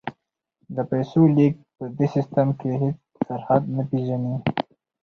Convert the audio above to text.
د پیسو لیږد په دې سیستم کې هیڅ سرحد نه پیژني.